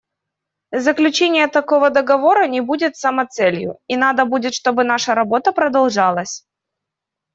Заключение такого договора не будет самоцелью; и надо будет, чтобы наша работа продолжалась.